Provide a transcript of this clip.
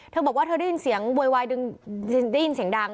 เธอบอกว่าเธอได้ยินเสียงโวยวายดึงได้ยินเสียงดัง